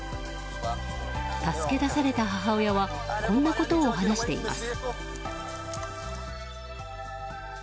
助け出された母親はこんなことを話しています。